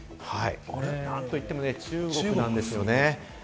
何と言っても中国なんですよね。